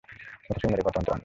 অথচ উমরের কত অন্তরঙ্গ!